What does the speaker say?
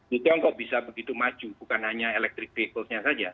di tiongkok bisa begitu maju bukan hanya elektrik vehikelnya saja